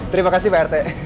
terima kasih pak rt